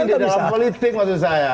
di dalam politik maksud saya